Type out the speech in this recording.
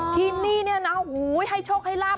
ที่นี้นะโห้ยให้โชคขอลาบ